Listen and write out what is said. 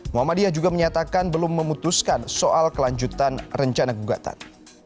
muhammadiyah juga menyatakan belum memutuskan soal kelanjutan rencana gugatan